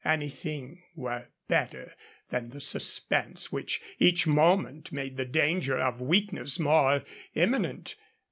Anything were better than the suspense which each moment made the danger of weakness more imminent.